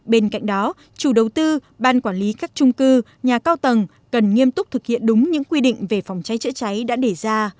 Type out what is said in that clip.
bên cạnh đó chủ đầu tư ban quản lý các trung cư nhà cao tầng cần nghiêm túc thực hiện đúng những quy định về phòng cháy chữa cháy đã để ra